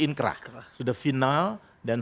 inkrah sudah final dan